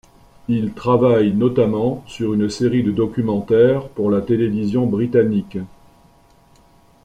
Il travaille notamment sur une série de documentaires pour la télévision britannique.